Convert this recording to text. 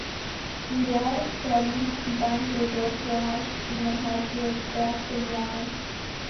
Millar verließ die Band jedoch bereits innerhalb des ersten Jahres.